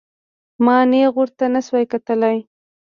ما نېغ ورته نسو کتلى.